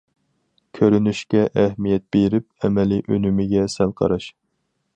كۆرۈنۈشكە ئەھمىيەت بېرىپ، ئەمەلىي ئۈنۈمىگە سەل قاراش.